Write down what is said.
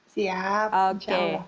siap insya allah